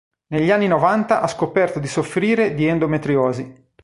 Negli anni novanta ha scoperto di soffrire di endometriosi.